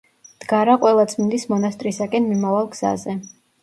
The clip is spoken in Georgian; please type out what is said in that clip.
მდგარა ყველაწმინდის მონასტრისაკენ მიმავალ გზაზე.